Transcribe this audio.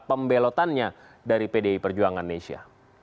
pembelotannya dari pdi perjuangan nesya